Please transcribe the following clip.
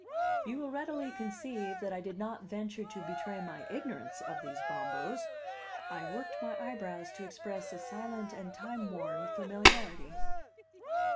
You will readily conceive that I did not venture to betray my ignorance of these Bombos; I worked my eyebrows to express a silent and timeworn familiarity.